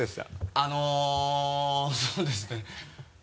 あのそうですね。